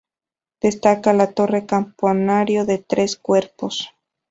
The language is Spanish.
Destaca la torre campanario de tres cuerpos.